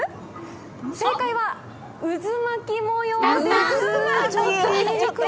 正解はうずまき模様です。